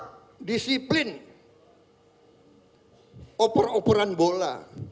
kerjasama kompak disiplin oper operan bola